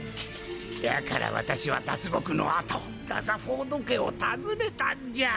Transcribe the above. だから私は脱獄の後ラザフォード家を訪ねたんじゃ。